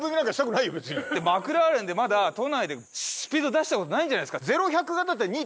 マクラーレンでまだ都内でスピード出した事ないんじゃないですか？